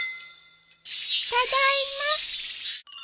ただいま。